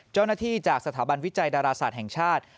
เจ้าหน้าที่จากสถาบันวิจัยดาราศาสตร์แห่งชาติ